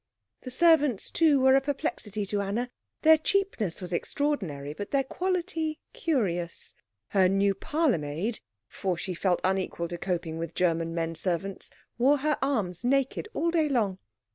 The servants, too, were a perplexity to Anna. Their cheapness was extraordinary, but their quality curious. Her new parlourmaid for she felt unequal to coping with German men servants wore her arms naked all day long.